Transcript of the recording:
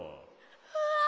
うわ！